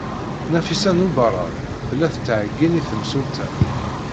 Nafisa n Ubeṛṛan tella tettɛeyyin i temsulta.